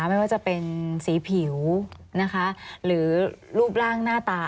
ไม่ว่าจะเป็นสีผิวนะคะหรือรูปร่างหน้าตา